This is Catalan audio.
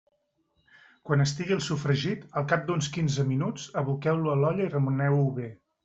Quan estigui el sofregit, al cap d'uns quinze minuts, aboqueu-lo a l'olla i remeneu-ho bé.